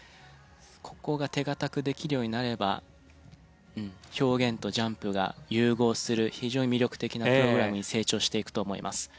ここが手堅くできるようになれば表現とジャンプが融合する非常に魅力的なプログラムに成長していくと思います。